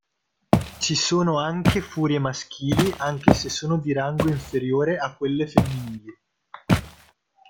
Ci sono anche Furie maschili, anche se sono di rango inferiore a quelle femminili.